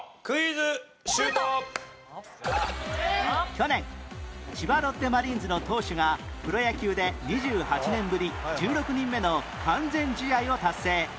去年千葉ロッテマリーンズの投手がプロ野球で２８年ぶり１６人目の完全試合を達成